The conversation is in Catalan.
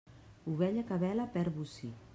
Ovella que bela perd bocí.